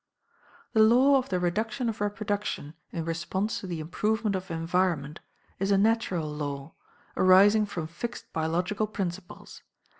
The law of the reduction of reproduction in response to the improvement of environment is a natural law, arising from fixed biological principles.